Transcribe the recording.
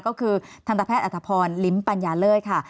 ก็คือธรรมดาแพทย์อาทธพรลิมปัญญาเลิศค่ะ